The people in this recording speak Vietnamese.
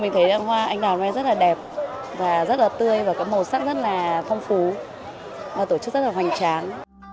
mình thấy là hoa anh đào nó rất là đẹp và rất là tươi và cái màu sắc rất là phong phú và tổ chức rất là hoành tráng